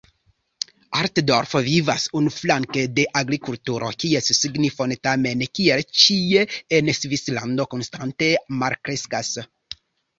Altdorf vivas unuflanke de agrikulturo, kies signifon tamen kiel ĉie en Svislando konstante malkreskas.